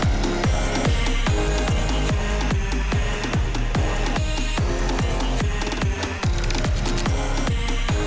seorang dari pelajar juga feel the fun